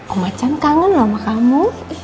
om achan kangen lho sama kamu